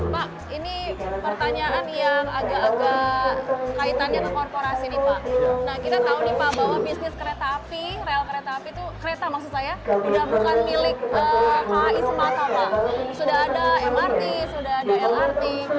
pak ini pertanyaan yang agak agak kaitannya ke korporasi nih pak nah kita tahu nih pak bahwa bisnis kereta api rel kereta api itu kereta maksud saya sudah bukan milik kai semata pak sudah ada mrt sudah ada lrt